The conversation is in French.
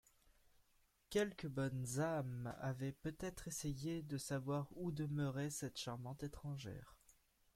Quelques bonnes âmes avaient peut-être essayé de savoir où demeurait cette charmante étrangère.